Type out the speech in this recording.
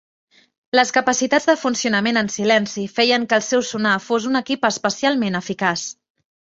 Les capacitats de funcionament en silenci feien que el seu sonar fos un equip especialment eficaç.